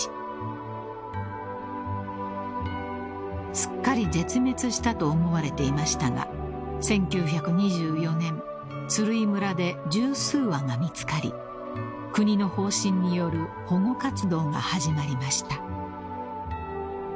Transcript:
［すっかり絶滅したと思われていましたが１９２４年鶴居村で十数羽が見つかり国の方針による保護活動が始まりました］